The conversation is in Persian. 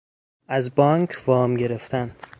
از بانک وام گرفتن